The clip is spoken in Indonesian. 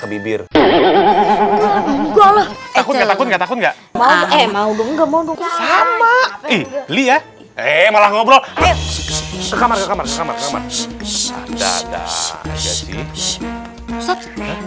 ke bibir takut takut takut enggak mau enggak mau sama lihat eh malah ngobrol kamar kamar